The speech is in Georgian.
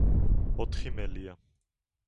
ოთხი მელია.